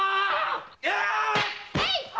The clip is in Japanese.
えい！